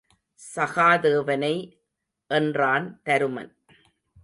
சகாதேவனை என்றான் தருமன்.